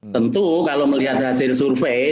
tentu kalau melihat hasil survei